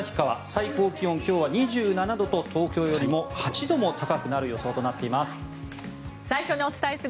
最高気温、今日は２７度と東京よりも８度も高くなる予想となっています。